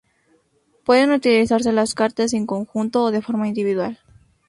Pueden utilizarse las cartas en conjunto o de forma individual.